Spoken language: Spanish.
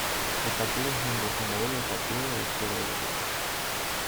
El partido es miembro fundador del Partido de la Izquierda Europea.